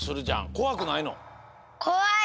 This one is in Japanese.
こわくないの？